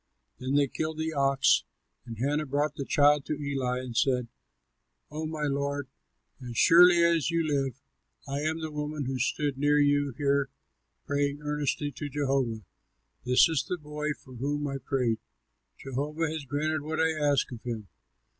Then they killed the ox, and Hannah brought the child to Eli and said, "Oh, my lord, as surely as you live, I am the woman who stood near you here praying earnestly to Jehovah. This is the boy for whom I prayed. Jehovah has granted what I asked of him.